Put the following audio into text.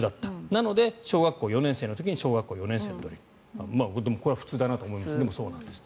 なので、小学校４年生の時に小学校４年生のドリル。これは普通だなと思うんですがでも、そうなんです。